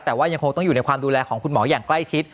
แต่ว่ายังคงต้องอยู่ในความดูแลของคุณหมออย่างใกล้ชิด